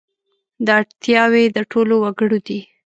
دا اړتیاوې د ټولو وګړو دي.